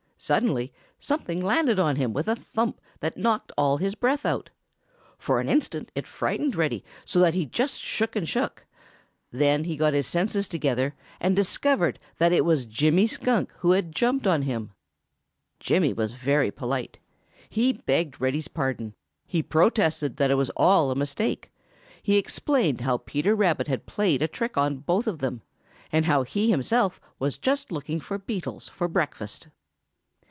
Suddenly something landed on him with a thump that knocked all his breath out. For an instant it frightened Reddy so that he just shook and shook. Then he got his senses together and discovered that it was Jimmy Skunk who had jumped on him. Jimmy was very polite. He begged Reddy's pardon. He protested that it was all a mistake. He explained how Peter Rabbit had played a trick on both of them, and how he himself was just looking for beetles for breakfast.